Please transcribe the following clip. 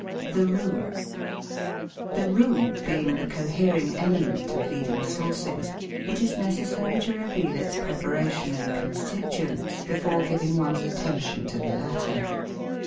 The Roux The roux being the cohering element of leading sauces, it is necessary to reveal its preparation and constituents before giving one's attention to the latter.